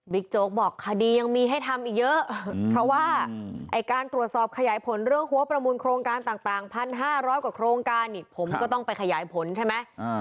โจ๊กบอกคดียังมีให้ทำอีกเยอะเพราะว่าไอ้การตรวจสอบขยายผลเรื่องหัวประมูลโครงการต่าง๑๕๐๐กว่าโครงการนี่ผมก็ต้องไปขยายผลใช่ไหม